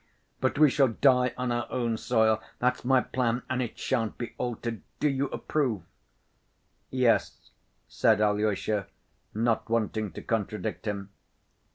But we shall die on our own soil. That's my plan, and it shan't be altered. Do you approve?" "Yes," said Alyosha, not wanting to contradict him.